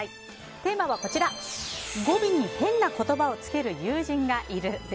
テーマは、語尾にへんな言葉をつける友人がいる。